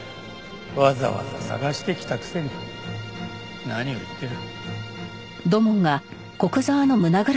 わざわざ捜して来たくせに何を言ってる。